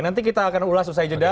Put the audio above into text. nanti kita akan ulas usai jeda